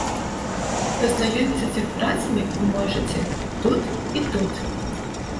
Пазнаёміцца з іх працамі вы можаце тут і тут.